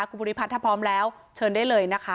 คุณภูริพัฒน์ถ้าพร้อมแล้วเชิญได้เลยนะคะ